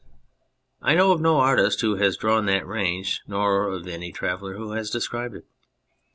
I know of no artist who has drawn that range nor of any traveller who has described it.